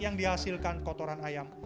yang dihasilkan kotoran ayam